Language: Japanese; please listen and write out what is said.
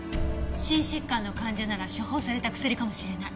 心疾患の患者なら処方された薬かもしれない。